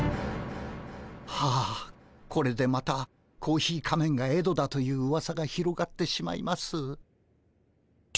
はあこれでまたコーヒー仮面がエドだといううわさが広がってしまいます。